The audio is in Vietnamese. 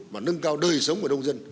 và nâng cao đời sống của nông dân